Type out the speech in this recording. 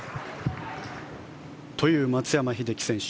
という松山英樹選手。